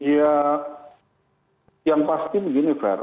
ya yang pasti begini fair